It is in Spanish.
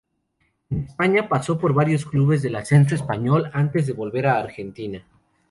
En España pasó por varios clubes del ascenso español antes de volver a Argentina.